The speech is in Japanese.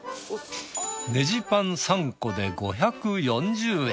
ネジパン３個で５４０円。